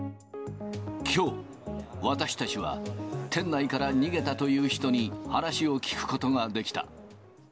きょう、私たちは店内から逃げたという人に話を聞くことができた。